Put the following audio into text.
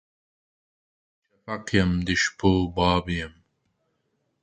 زخم د شفق یم د شپو باب یمه